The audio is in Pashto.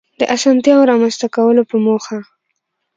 د آسانتیاوو رامنځته کولو په موخه